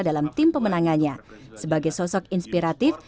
dalam tim pemenangannya sebagai sosok inspiratif